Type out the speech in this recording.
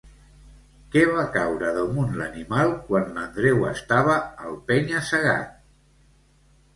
Què va caure damunt l'animal quan l'Andreu estava al penya-segat?